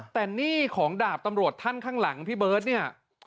แต่หนี้ของดาบตำรวจท่านข้างหลังพี่เบิร์ตเนี่ย